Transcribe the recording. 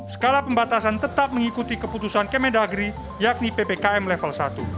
skala pembatasan tetap mengikuti keputusan kemendagri yakni ppkm level satu